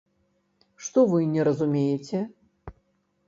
Што вы не разумееце?